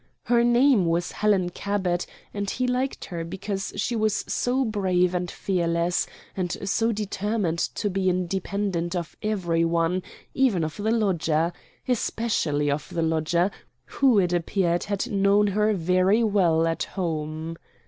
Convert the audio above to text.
Her name was Helen Cabot, and he liked her because she was so brave and fearless, and so determined to be independent of every one, even of the lodger especially of the lodger, who it appeared had known her very well at home.